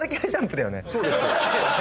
そうです。